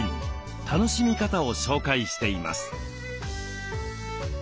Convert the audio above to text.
楽しみ方を紹介しています。